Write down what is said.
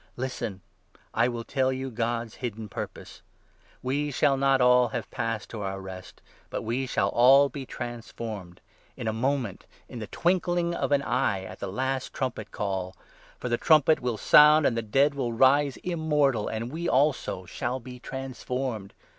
Listen, I will tell you God's hidden purpose ! We 51 shall not all have passed to our rest, but we shall all be trans formed— in a moment, in the twinkling of an eye, at the last 52 trumpet call; for the trumpet will sound, and the dead will rise immortal, and we, also, shall be transformed.